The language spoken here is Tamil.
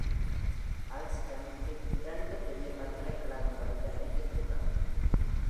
ஆல்ஸ்டன் இரண்டு பெரிய பல்கலைக்கழகங்களுக்கு அருகில் உள்ளது.